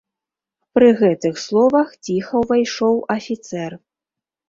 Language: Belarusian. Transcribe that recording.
Пры гэтых словах ціха ўвайшоў афіцэр.